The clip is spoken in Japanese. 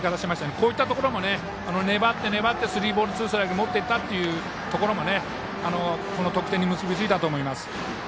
こういったところも粘って、粘ってスリーボールツーストライクに持っていったというところもこの得点に結びついたと思います。